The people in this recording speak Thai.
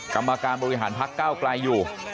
กรรมการบริหารพักเก้าไกลอยู่